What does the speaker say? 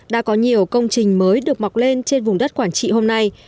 đã có nhiều công trình mới được mọc lên trên vùng đất quảng trị hôm nay